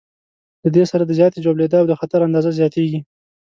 له دې سره د زیاتې ژوبلېدا او د خطر اندازه زیاتېږي.